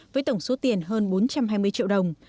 với tổng số tiền hơn bốn trăm hai mươi triệu đồng